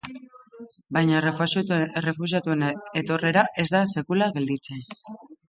Baina errefuxiatuen etorrera ez da sekula gelditzen.